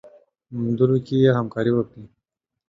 موندلو کي يې همکاري وکړئ